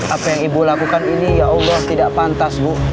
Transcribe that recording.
apa yang ibu lakukan ini ya allah tidak pantas bu